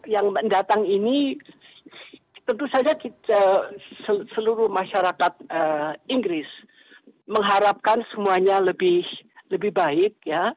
yang datang ini tentu saja seluruh masyarakat inggris mengharapkan semuanya lebih baik